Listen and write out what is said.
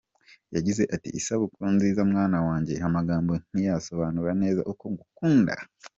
Yagize ati”Isabukuru nziza mwana wanjye, amagambo ntiyasobanura neza uko ngukunda.